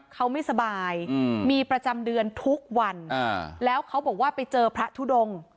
เขาไม่สบายมีประจำเดือนทุกวันแล้วเขาบอกว่าไปเจอพระทุดง